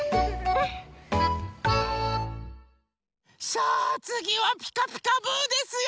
さあつぎは「ピカピカブ！」ですよ。